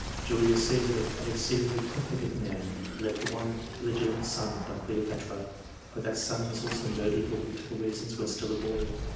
Julius Caesar, an exceedingly profligate man, left one ille gitimate son, by Cleopatra, but that son was also murdered for political reasons when still a boy.